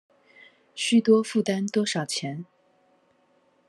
須多負擔多少錢